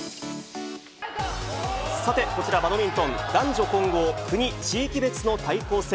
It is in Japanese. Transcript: さて、こちら、バドミントン、男女混合国・地域別の対抗戦。